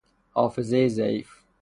حافظهی ضعیف